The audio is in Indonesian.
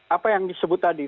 apa yang disebut tadi